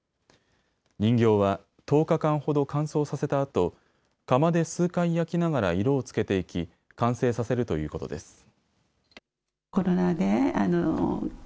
人形は１０日間ほど乾燥させたあと窯で数回、焼きながら色をつけていき完成させるということです。